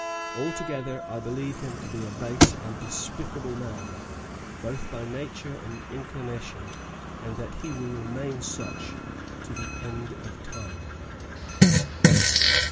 Altogether I believe him to be a base and despicable man, both by nature and inclination, and that he will remain such to the end of time."